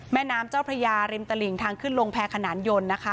แม่น้ำเจ้าพระยาริมตลิงทางขึ้นลงแพรขนานยนต์นะคะ